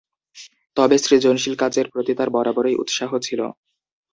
তবে সৃজনশীল কাজের প্রতি তার বরাবরই উৎসাহ ছিল।